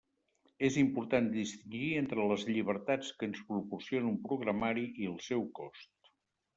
És important distingir entre les llibertats que ens proporciona un programari i el seu cost.